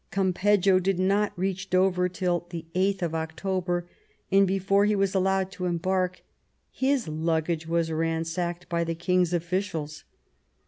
Campeggio did not reach Dover till 8th October, and before he was allowed to embark his luggage was ransacked by the king's officials.